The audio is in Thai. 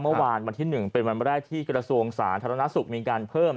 เมื่อวานวันที่๑เป็นวันแรกที่กระทรวงสาธารณสุขมีการเพิ่ม